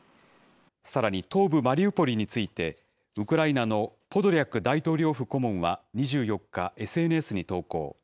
さらに東部マリウポリについて、ウクライナのポドリャク大統領府顧問は２４日、ＳＮＳに投稿。